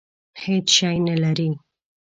هېڅ شی نه لري.